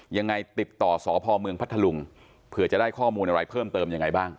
ยังไงติดต่อสพเมืองพัทธลุงเผื่อจะได้ข้อมูลอะไรเพิ่มเติมยังไงบ้าง